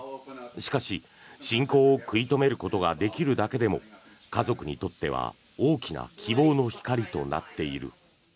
しかし、進行を食い止めることができるだけでも家族にとっては大きな希望の光となっている。